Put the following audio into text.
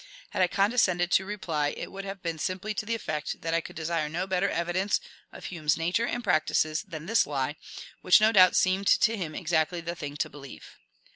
Had I condescended to reply it would have been simply to the effect that I could desire no better evidence of Hume's nature and practices than this lie, which no doubt seemed to him exactly the thing to believe."